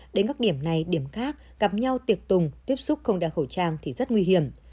đến các điểm này điểm khác gặp nhau tiệc tùng tiếp xúc không đeo khẩu trang thì rất nguy hiểm